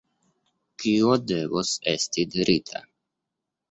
kio devos esti dirita?